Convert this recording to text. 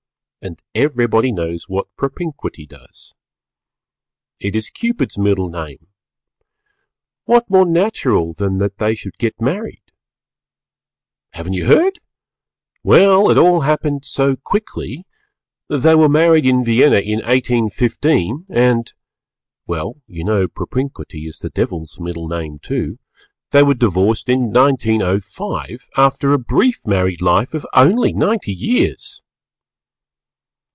And everybody knows what Propinquity does. It is Cupid's middle name; what more natural than that they should get married? Haven't you heard? Well, it all happened so quickly, they were married in Vienna in 1815, and well, you know Propinquity is the Devil's middle name, too they were divorced in 1905 after a brief married life of only ninety years!